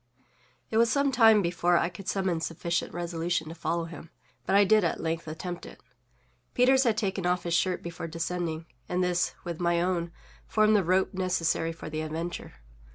It was some time before I could summon sufficient resolution to follow him; but I did at length attempt it. Peters had taken off his shirt before descending, and this, with my own, formed the rope necessary for the adventure.